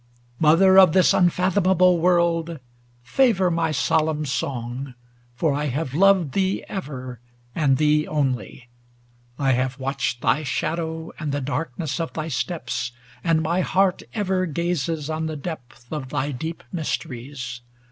Mother of this unfathomable world! Favor my solemn song, for I have loved ig Thee ever, and thee only; I have watched Thy shadow, and the darkness of thy steps. And my heart ever gazes on the depth Of thy deep mysteries.